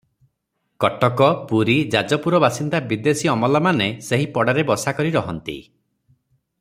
କଟକ, ପୁରୀ, ଯାଜପୁର ବାସିନ୍ଦା ବିଦେଶୀ ଅମଲାମାନେ ସେହି ପଡ଼ାରେ ବସା କରି ରହନ୍ତି ।